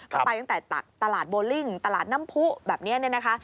ก็ไปตั้งแต่ตักตลาดโบลิ่งตลาดน้ำผู้แบบนี้เนี่ยนะคะ